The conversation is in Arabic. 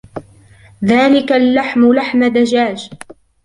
ذلك اللحم لحم دجاج.